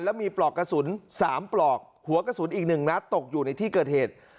แล้วมีปลอกกระสุน๓ปลอกหัวกระสุนอีก๑นัดตกอยู่ในที่เกิดเหตุ